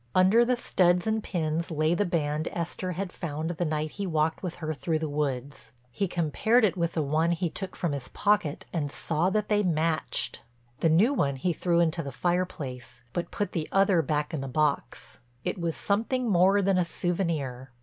Under the studs and pins lay the band Esther had found the night he walked with her through the woods. He compared it with the one he took from his pocket and saw that they matched. The new one he threw into the fireplace, but put the other back in the box—it was something more than a souvenir.